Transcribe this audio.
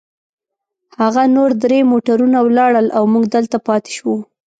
هغه نور درې موټرونه ولاړل، او موږ دلته پاتې شوو.